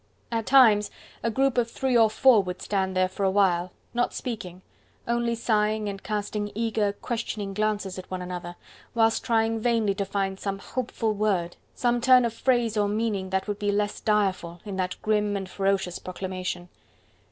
At times a group of three or four would stand there for awhile, not speaking, only sighing and casting eager questioning glances at one another, whilst trying vainly to find some hopeful word, some turn of phrase of meaning that would be less direful, in that grim and ferocious proclamation.